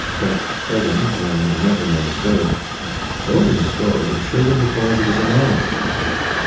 Fettes heard him, and met him on the stairs, told him his story, and showed him the cause of his alarm.